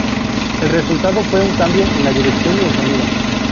El resultado fue un cambio en la dirección y el sonido.